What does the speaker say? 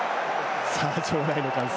場内の歓声